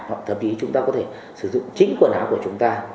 hoặc thậm chí chúng ta có thể sử dụng chính quần áo của chúng ta